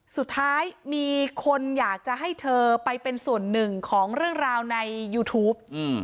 สุดท้ายมีคนอยากจะให้เธอไปเป็นส่วนหนึ่งของเรื่องราวในยูทูป